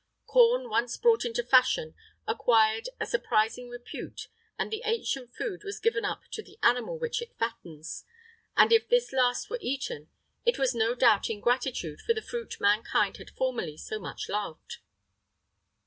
[III 7] Corn once brought into fashion acquired a surprising repute, and the ancient food was given up to the animal which it fattens; and if this last were eaten, it was no doubt in gratitude for the fruit mankind had formerly so much loved.